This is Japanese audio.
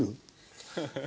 ハハハハ！